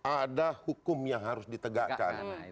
ada hukum yang harus ditegakkan